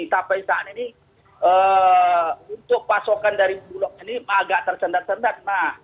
sampai saat ini untuk pasokan dari bulog ini agak tersendat sendat